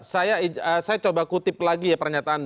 saya coba kutip lagi ya pernyataan